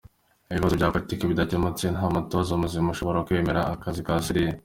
Ibibazo bya politiki bidakemutse, nta mutoza muzima ushobora kwemera akazi ka Syria.